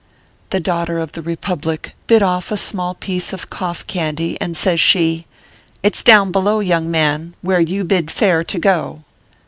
The daughter of the Kepublic bit off a small piece of cough candy, and says she :" It s down below, young man, where you bid fair to go."